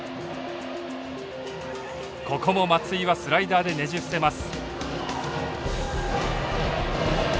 ここも松井はスライダーでねじ伏せます。